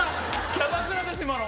キャバクラです今の。